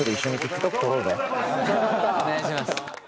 お願いします。